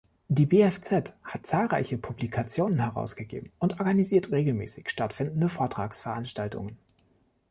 Die BfZ hat zahlreiche Publikationen herausgegeben und organisiert regelmäßig stattfindende Vortragsveranstaltungen.